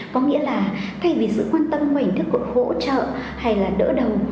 có nghĩa là thay vì sự quan tâm ngoài hình thức của hỗ trợ hay là đỡ đầu